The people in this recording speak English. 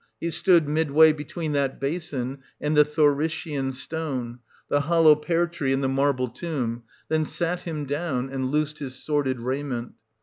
He stood midway be tween that basin and the Thorician stone, — the hollow pear tree and the marble tomb; then sate him down, and loosed his sordid raiment.